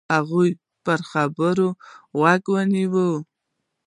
د هغوی پر خبرو غوږ نیوی.